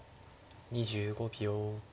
２５秒。